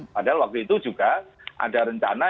padahal waktu itu juga ada rencana